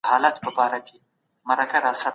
هیڅوک حق نه لري چي په ماشومانو درانه کارونه وکړي.